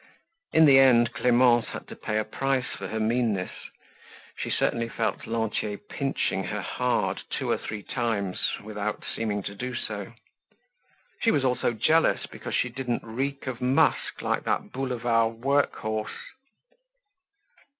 In the end Clemence had to pay a price for her meanness. She certainly felt Lantier pinching her hard two or three times without seeming to do so. She was also jealous because she didn't reek of musk like that boulevard work horse.